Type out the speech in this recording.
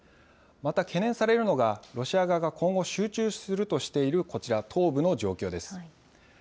また、懸念されるのが、ロシア側が今後集中するとしているこちら、東部の状況です。